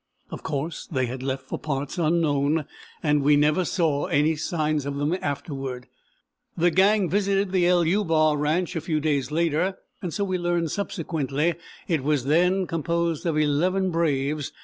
Of course they had left for parts unknown, and we never saw any signs of them afterward. The gang visited the =LU= bar ranch a few days later, so we learned subsequently. It was then composed of eleven braves